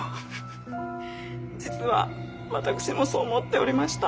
実は私もそう思っておりました。